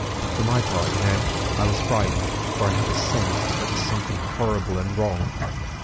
"For my part, you know, I was frightened; for I had a sense that there was something horrible and wrong.